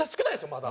まだ。